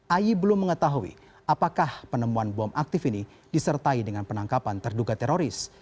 ayi belum mengetahui apakah penemuan bom aktif ini disertai dengan penangkapan terduga teroris